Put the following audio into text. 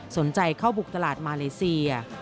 สนใจเข้าบุกตลาดมาเลเซีย